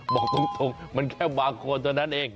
บอกตรงมันแค่บางคนเท่านั้นเอง